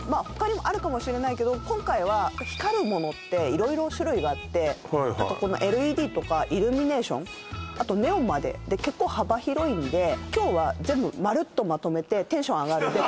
他にもあるかもしれないけど今回は光るものって色々種類があってはいはいあとこのＬＥＤとかイルミネーションあとネオンまで結構幅広いんで今日は全部まるっとまとめてテンションアガる